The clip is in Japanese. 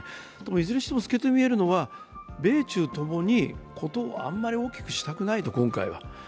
いずれにしても透けて見えるのは米中ともに事を余り大きくしたくないと、今回は。